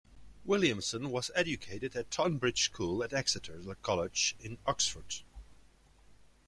Williamson was educated at Tonbridge School and Exeter College, Oxford.